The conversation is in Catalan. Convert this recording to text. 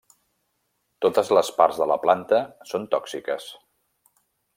Totes les parts de la planta són tòxiques.